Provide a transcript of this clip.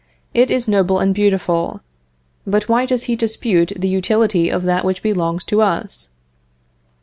It is noble and beautiful. But why does he dispute the utility of that which belongs to us?